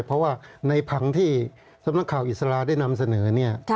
เพราะว่าในผังที่สำนักข่าวอิสระได้นำเสนอเนี่ย